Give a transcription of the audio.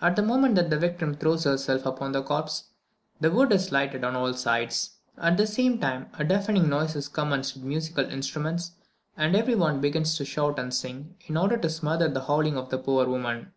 At the moment that the victim throws herself upon the corpse, the wood is lighted on all sides. At the same time, a deafening noise is commenced with musical instruments, and every one begins to shout and sing, in order to smother the howling of the poor woman.